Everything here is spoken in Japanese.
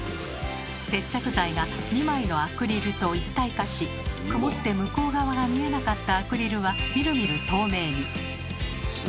接着剤が２枚のアクリルと一体化し曇って向こう側が見えなかったアクリルはみるみる透明に。